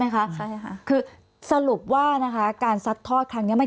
พี่เรื่องมันยังไงอะไรยังไง